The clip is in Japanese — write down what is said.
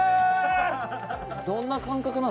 どんな感覚なのそれ？